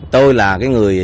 tôi là cái người